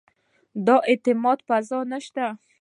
د اعتماد فضا نه شته.